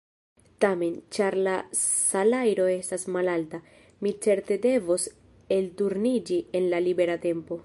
Tamen, ĉar la salajro estas malalta, mi certe devos elturniĝi en la libera tempo.